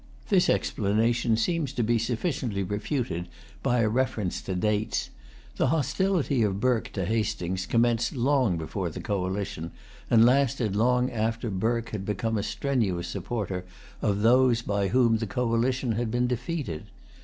This explanation seems to be sufficiently refuted by a reference to dates. The hostility of Burke to Hastings commenced long before the coalition, and lasted long after Burke had become a strenuous supporter of those by whom the coalition had been defeated.